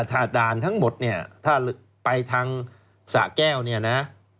ถ้าด่านทั้งหมดถ้าไปทางสะแก้วนี่นะ